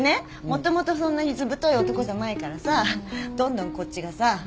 もともとそんなにずぶとい男じゃないからさどんどんこっちがさ自分にさ